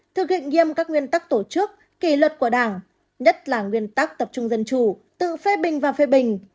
thực hiện nghiêm các nguyên tắc tổ chức kỳ luật của đảng nhất là nguyên tắc tập trung dân chủ tự phê bình và phê bình